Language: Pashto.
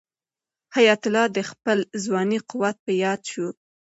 حیات الله ته د خپل ځوانۍ قوت په یاد شو.